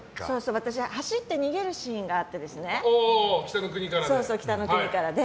走って逃げるシーンがあって「北の国から」で。